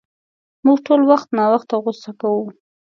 مونږ ټول وخت ناوخته غصه کوو.